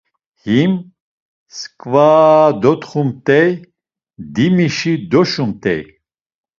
Him sǩvaaa dotxumt̆ey, dimişi doşumt̆ey.